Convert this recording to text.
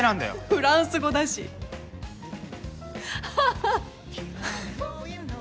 フランス語だしハハッ